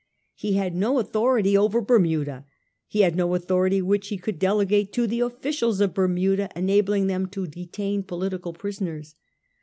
He had. no authority over Bermuda ; he had no authority which he could delegate to the officials of Bermuda enabling them to detain political prisoners.